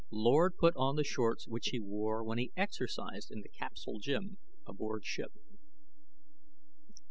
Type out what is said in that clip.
Lord put on the shorts which he wore when he exercised in the capsule gym aboard ship.